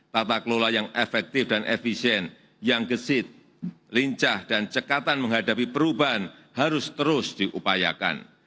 tata kelola yang efektif dan efisien yang gesit lincah dan cekatan menghadapi perubahan harus terus diupayakan